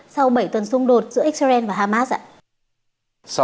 sau bảy tuần xung đột giữa israel và hamas ạ